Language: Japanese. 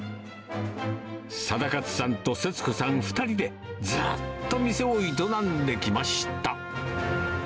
定勝さんと節子さん２人で、ずっと店を営んできました。